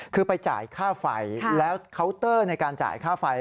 คือไปจ่ายค่าไฟแล้วเคาน์เตอร์ในการจ่ายค่าไฟ